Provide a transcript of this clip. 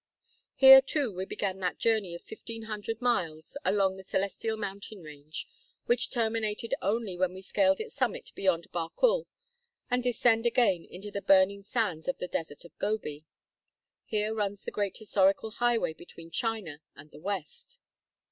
Here, too, we began that journey of 1500 miles along the Celestial mountain range which terminated only when we scaled its summit beyond Barkul to descend again into the burning sands of the Desert of Gobi. Here runs the great historical highway between China and the West.